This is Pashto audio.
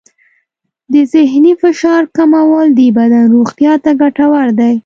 د ذهني فشار کمول د بدن روغتیا ته ګټور دی.